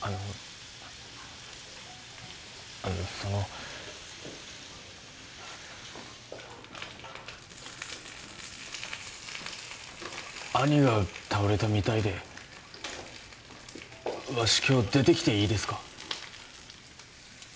あのあのその兄が倒れたみたいでわし今日出てきていいですか？